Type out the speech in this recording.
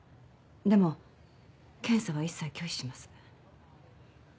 でも検査は一切拒否します。